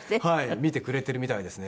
見てくれてるみたいですね。